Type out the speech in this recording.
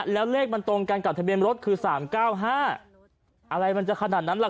แล้วเลขมันตรงกันกับทะเบียนรถคือ๓๙๕อะไรมันจะขนาดนั้นล่ะค